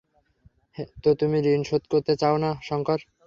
তো তুমি ঋণ শোধ করতে চাও না, শঙ্কর?